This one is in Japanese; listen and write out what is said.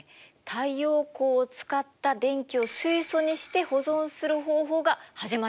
太陽光を使った電気を水素にして保存する方法が始まってるの。